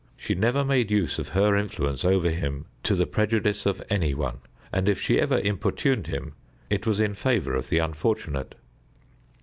She never made use of her influence over him to the prejudice of any one, and if she ever importuned him it was in favor of the unfortunate.